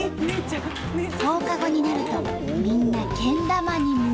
放課後になるとみんなけん玉に夢中。